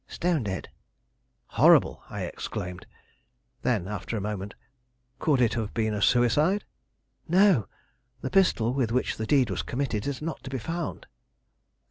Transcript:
"Stone dead." "Horrible!" I exclaimed. Then, after a moment, "Could it have been a suicide?" "No. The pistol with which the deed was committed is not to be found."